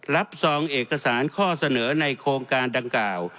ซองเอกสารข้อเสนอในโครงการดังกล่าว